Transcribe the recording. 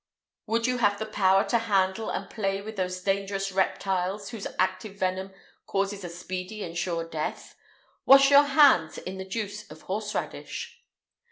[IX 179] Would you have the power to handle and play with those dangerous reptiles whose active venom causes a speedy and sure death? Wash your hands in the juice of horse radish.